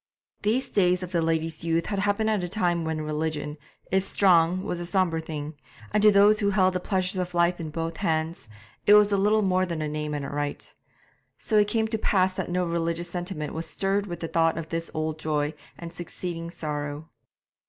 These days of the lady's youth had happened at a time when religion, if strong, was a sombre thing; and to those who held the pleasures of life in both hands, it was little more than a name and a rite. So it came to pass that no religious sentiment was stirred with the thought of this old joy and succeeding sorrow.